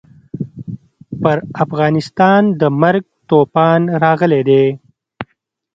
پر افغانستان د مرګ توپان راغلی دی.